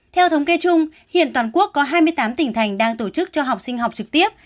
theo thống kê chung hiện toàn quốc có hai mươi tám tỉnh thành đang tổ chức cho học sinh học trực tiếp